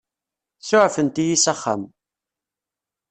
Suɛfent-iyi s axxam.